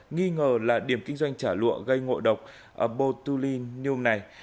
nghi ngờ là điểm kinh doanh trả lụa gây ngộ độc botulinium này